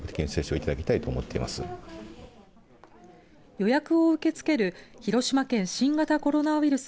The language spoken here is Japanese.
予約を受け付ける広島県新型コロナウイルス